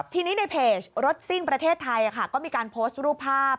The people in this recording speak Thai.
ทีนี้ในเพจรถซิ่งประเทศไทยก็มีการโพสต์รูปภาพ